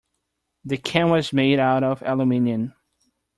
The can was made out of aluminium.